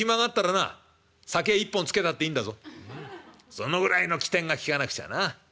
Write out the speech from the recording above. そのぐらいの機転が利かなくちゃな。